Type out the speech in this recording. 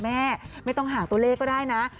แม่ไม่ต้องหาตัวเลขก็ได้นะ